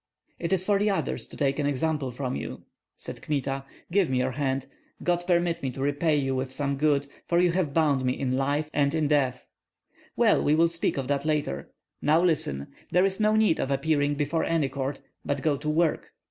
"It is for others to take an example from you," said Kmita. "Give me your hand. God permit me to repay you with some good, for you have bound me in life and in death." "Well, we will speak of that later. Now listen! There is no need of appearing before any court, but go to work.